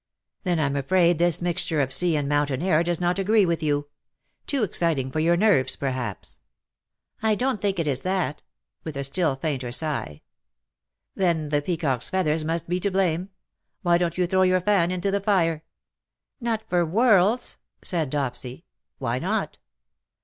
^^ Then I^m afraid this mixture o£ sea and moun tain air does not agree with you. Too exciting for your nerves perhaps." 264 " WHO KNOWS NOT CIRCE ?"'^ I don't think it is that/^ with a still fainter sigh. '^ Then the peacocks^ feathers must he to hlame. Why don^t you throw your fan into the fire V^ " Not for worlds," said Dopsy, *' Why not